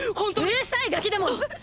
うるさいガキども！！ッ！！